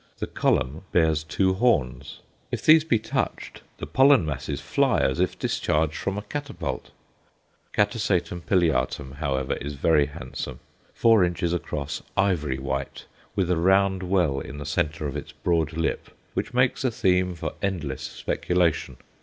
The "column" bears two horns; if these be touched, the pollen masses fly as if discharged from a catapult. C. pileatum, however, is very handsome, four inches across, ivory white, with a round well in the centre of its broad lip, which makes a theme for endless speculation.